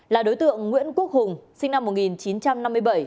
là đối tượng nguyễn quốc hùng sinh năm một nghìn chín trăm năm mươi bảy